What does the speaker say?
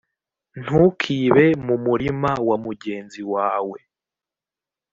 ntukibe mu murima wa mugenzi wawe